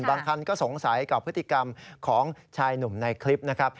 คันก็สงสัยกับพฤติกรรมของชายหนุ่มในคลิปนะครับ